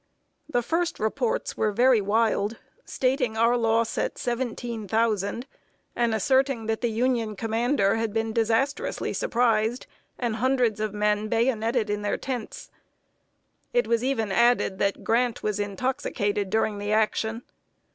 The first reports were very wild, stating our loss at seventeen thousand, and asserting that the Union commander had been disastrously surprised, and hundreds of men bayoneted in their tents. It was even added that Grant was intoxicated during the action.